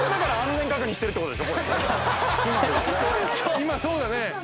今そうだね。